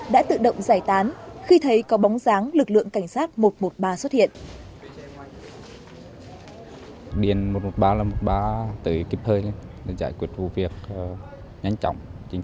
đã tự động giải tán khi thấy có bóng dáng lực lượng cảnh sát một trăm một mươi ba xuất hiện